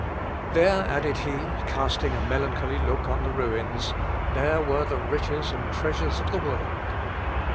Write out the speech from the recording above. "There," added he, casting a melancholy look on the ruins, "there were the riches and treasures of the world."